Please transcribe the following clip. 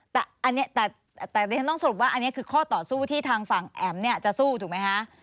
แต่อันนี้แต่ดิฉันต้องสรุปว่าอันนี้คือข้อต่อสู้ที่ทางฝั่งแอ๋มเนี่ยจะสู้ถูกไหมคะ